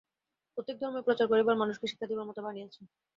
প্রত্যেক ধর্মেরই প্রচার করিবার, মানুষকে শিক্ষা দিবার মত বাণী আছে।